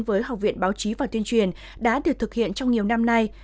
với học viện báo chí và tuyên truyền đã được thực hiện trong nhiều năm nay